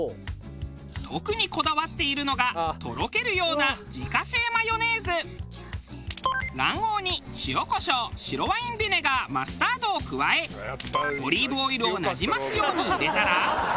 特にこだわっているのが卵黄に塩・こしょう白ワインビネガーマスタードを加えオリーブオイルをなじますように入れたら。